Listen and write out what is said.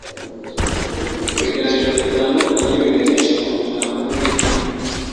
Ibiganiro bitandukanye biganisha ku ijambo ry’Imana